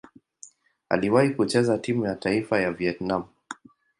Aliwahi kucheza timu ya taifa ya Vietnam.